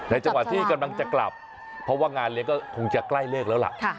จังหวะที่กำลังจะกลับเพราะว่างานเลี้ยงก็คงจะใกล้เลิกแล้วล่ะ